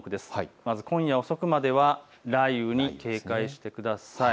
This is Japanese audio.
まず今夜遅くまでは雷雨に警戒してください。